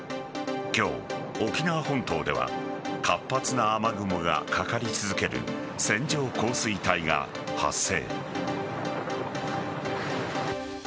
今日、沖縄本島では活発な雨雲が、かかり続ける線状降水帯が発生。